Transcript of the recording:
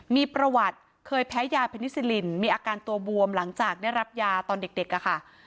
มีประวัติเคยแพ้ยาเพนิซิลินมีอาการตัวบวมหลังจากได้รับยาตอนเด็กอะค่ะ